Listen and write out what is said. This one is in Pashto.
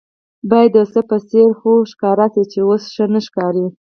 باید د یوڅه په څېر خو ښکاره شي چې اوس ښه نه ښکاري.